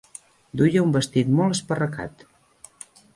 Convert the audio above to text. Duia un vestit molt esparracat.